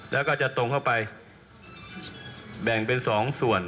แล้วก็จะตรงเข้าไปแบ่งเป็น๒ส่วน